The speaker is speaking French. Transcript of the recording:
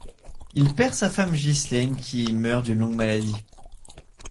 Il perd sa femme Ghislaine qui meurt d'une longue maladie.